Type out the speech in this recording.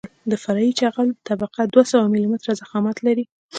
د فرعي جغل طبقه دوه سوه ملي متره ضخامت لري